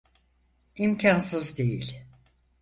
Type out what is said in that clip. İmkansız değil.